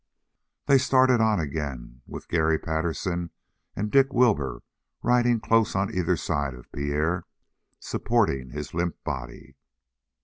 They started on again with Garry Patterson and Dick Wilbur riding close on either side of Pierre, supporting his limp body.